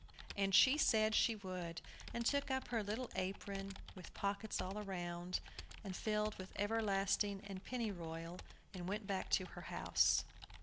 And she said she would, and took up her little old apron, with pockets all round, all filled with everlasting and pennyroyal, and went back to her house.